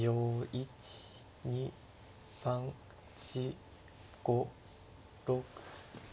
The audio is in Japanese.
１２３４５６。